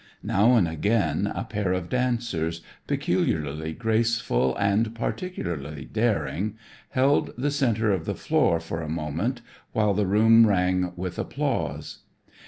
Now and again a pair of dancers, peculiarly graceful and particularly daring, held the center of the floor for a moment while the room rang with applause.